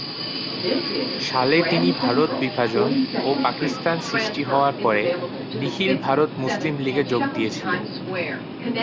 সালে তিনি ভারত বিভাজন ও পাকিস্তান সৃষ্টি হওয়ার পরে নিখিল ভারত মুসলিম লীগে যোগ দিয়েছিলেন।